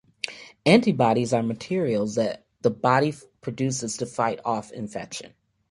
Antibodies are materials that the body produces to fight off an infection.